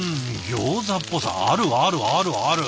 ギョーザっぽさあるあるあるある！